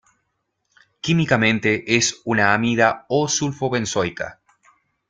Químicamente es una amida o-sulfobenzoica.